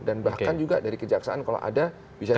dan bahkan juga dari kejaksaan kalau ada bisa juga